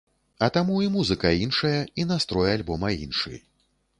А таму і музыка іншая, і настрой альбома іншы.